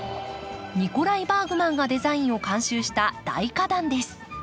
ニコライ・バーグマンがデザインを監修した大花壇です。